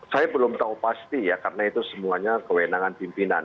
saya belum tahu pasti ya karena itu semuanya kewenangan pimpinan